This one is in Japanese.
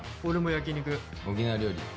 沖縄料理。